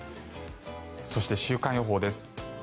そして、週間予報です。